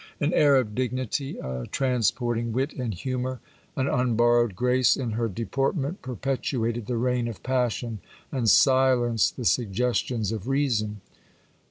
An air of dignity, a transporting wit and humour, an unborrowed grace in her deport ment, perpetuated the reign of passion, and silenced the suggestions of reason.